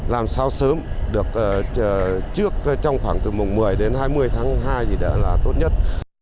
làm sao sớm được trước trong khoảng từ mùng một mươi đến hai mươi tháng hai thì đã là tốt nhất